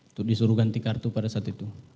untuk disuruh ganti kartu pada saat itu